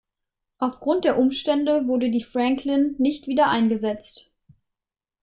Auf Grund der Umstände wurde die "Franklin" nicht wieder eingesetzt.